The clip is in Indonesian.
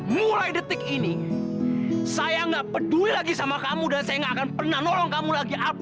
buruan nih mobil butut gak pergi